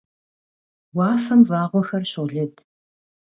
Vuafem vağuexer şolıd.